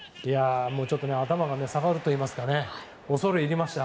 頭が下がるといいますか恐れ入りました。